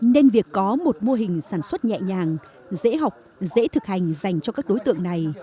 nên việc có một mô hình sản xuất nhẹ nhàng dễ học dễ thực hành dành cho các đối tượng này